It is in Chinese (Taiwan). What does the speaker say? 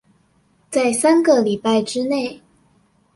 在三個禮拜之內